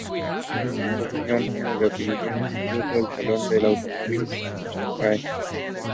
He made his major league debut that day versus the New York Mets.